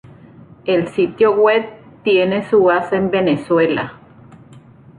El sitio web tiene su base en Venezuela.